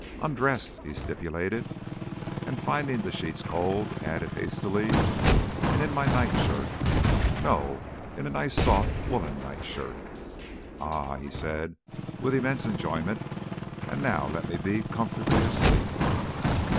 "Undressed," he stipulated; and, finding the sheets cold, added hastily, "and in my nightshirt no, in a nice soft woollen nightshirt. Ah!" he said with immense enjoyment. "And now let me be comfortably asleep...."